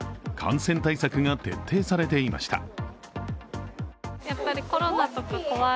感染対策が徹底されていました。